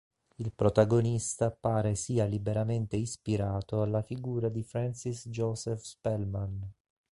Il protagonista pare sia liberamente ispirato alla figura di Francis Joseph Spellman.